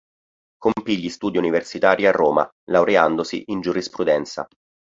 Compì gli studi universitari a Roma, laureandosi in giurisprudenza.